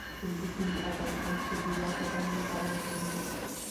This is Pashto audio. کندز سیند د افغانستان د چاپیریال ساتنې لپاره مهم دي.